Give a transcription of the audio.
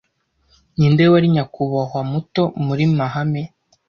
Ninde wari nyakubahwa muto muri mahame